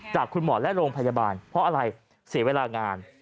จากคุณหมอและโรงพยาบาลเพราะอะไรเสียเวลางาน